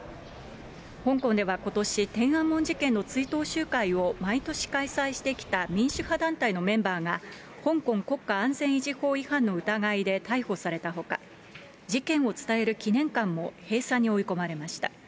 香港ではことし、天安門事件の追悼集会を毎年開催してきた民主派団体のメンバーが、香港国家安全維持法違反の疑いで逮捕されたほか、事件を伝える記念館も閉鎖に追い込まれました。